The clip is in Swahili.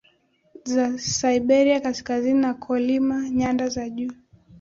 za Siberia Kaskazini na Kolyma Nyanda za juu